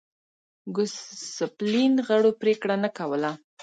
د ګوسپلین غړو پرېکړه نه کوله